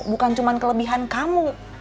bukan cuman kelebihan kamu